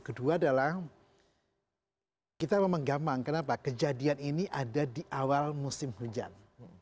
kedua adalah kita memang menggamang kenapa kejadian ini ada di awal musim hujan